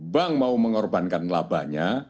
bank mau mengorbankan labanya